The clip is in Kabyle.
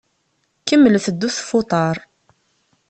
Kemmlet ddut ɣef uḍaṛ.